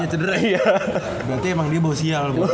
berarti emang dia bau sial